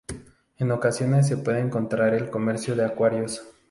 En ocasiones se puede encontrar en el comercio de acuarios.